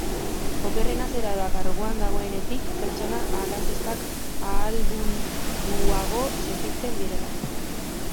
Okerrena zera da, karguan dagoenetik, pertsona arrazistak ahaldunduago sentitzen direla.